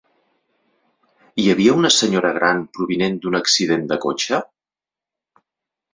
Hi havia una senyora gran provinent d'un accident de cotxe?